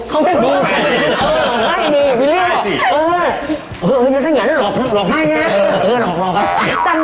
เขามายแดงแดง